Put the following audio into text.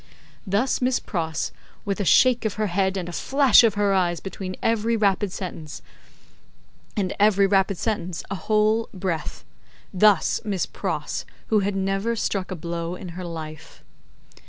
Thus Miss Pross, with a shake of her head and a flash of her eyes between every rapid sentence, and every rapid sentence a whole breath. Thus Miss Pross, who had never struck a blow in her life.